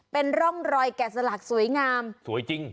เป็นร่องรอยแกะสลักสวยงามสวยจริง